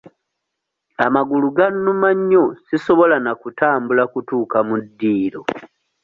Amagulu gannuma nnyo sisobola na kutambula kutuuka mu ddiiro.